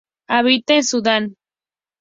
Habita en Sudán.